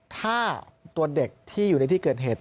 ถ้าตัวเด็กที่อยู่ในที่เกิดเหตุ